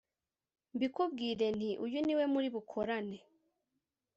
mbikubwire nti uyu ni we muri bukorane